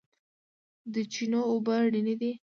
د چینو اوبه رڼې دي